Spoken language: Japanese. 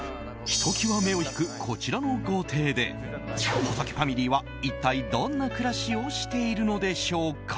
ひときわ目を引くこちらの豪邸で細木ファミリーは一体どんな暮らしをしているのでしょうか。